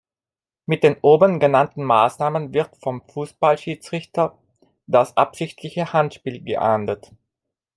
Mit den oben genannten Maßnahmen wird vom Fußballschiedsrichter das „absichtliche Handspiel“ geahndet.